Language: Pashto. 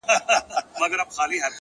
د دود وهلي ښار سپېڅلي خلگ لا ژونـدي دي.!